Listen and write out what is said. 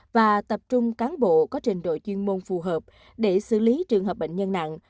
và tập trung cán bộ có trình độ chuyên môn phù hợp để xử lý trường hợp bệnh nhân nặng